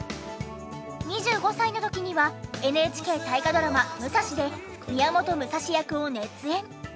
２５歳の時にはＮＨＫ大河ドラマ『武蔵ＭＵＳＡＳＨＩ』で宮本武蔵役を熱演。